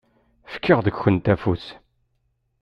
Fkiɣ deg-kent afus.